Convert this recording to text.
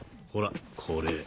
ほらこれ。